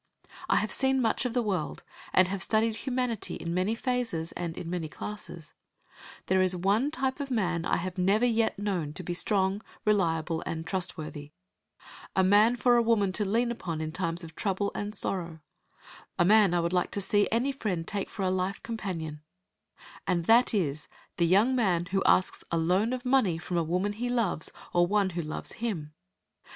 I have seen much of the world, and have studied humanity in many phases and in many classes. There is one type of man I have never yet known to be strong, reliable, and trustworthy, a man for a woman to lean upon in times of trouble and sorrow, a man I would like to see any friend take for a life companion, and that is the young man who asks a loan of money from a woman he loves, or one who loves him.